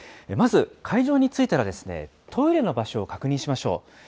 まず、会場に着いたらですね、トイレの場所を確認しましょう。